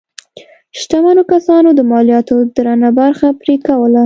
شتمنو کسانو د مالیاتو درنه برخه پرې کوله.